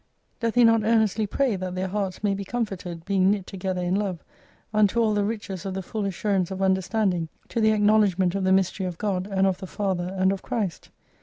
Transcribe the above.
Doth he not earnestly Q 241 pray, that their hearts may be comforted, being knit together in Love, unto all the riches of the full assur ance of understanding, to the acknowledgment of the mystery of God, and of the Father, and of Christ